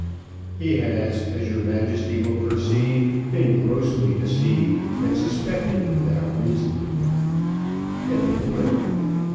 "He has, as your Majesty will perceive, been grossly deceived, and suspected without reason." "And the woman?"